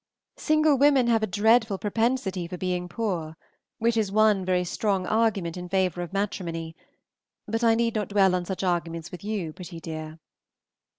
Single women have a dreadful propensity for being poor, which is one very strong argument in favor of matrimony; but I need not dwell on such arguments with you, pretty dear.